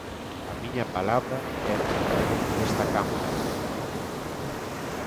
"A miña palabra é o regulamento desta Cámara".